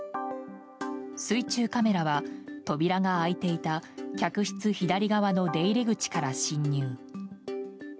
水中カメラは、扉が開いていた客室左側の出入り口から進入。